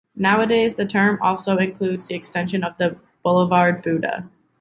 Nowadays, the term also includes the extension of the boulevard Buda.